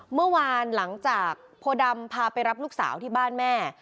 เมื่อวานหลังจากโพดำพาไปรับลูกสาวที่บ้านแม่